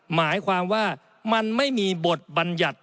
หมายความว่ามันไม่มีบทบัญญัติ